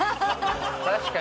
確かに。